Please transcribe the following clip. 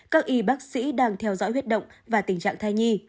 các y bác sĩ đang theo dõi huyết động và tình trạng thai nhi